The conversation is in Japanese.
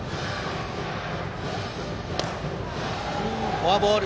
フォアボール。